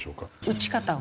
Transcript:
打ち方を？